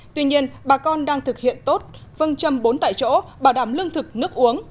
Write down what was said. tuy nhiên bà con đang thực hiện tốt vâng châm bốn tại chỗ bảo đảm lương thực nước uống